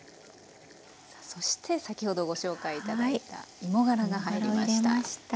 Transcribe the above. さあそして先ほどご紹介頂いた芋がらが入りました。